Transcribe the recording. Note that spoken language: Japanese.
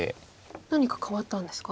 何か変わったんですか？